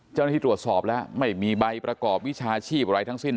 เจ้าหน้าที่ตรวจสอบแล้วไม่มีใบประกอบวิชาชีพอะไรทั้งสิ้น